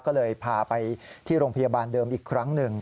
ก็เลยพาไปที่โรงพยาบาลเดิมอีกครั้งหนึ่ง